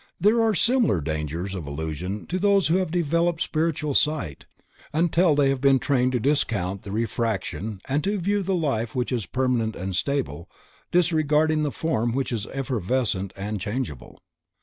There are similar dangers of illusion to those who have developed spiritual sight, until they have been trained to discount the refraction and to view the life which is permanent and stable, disregarding the form which is evanescent and changeable.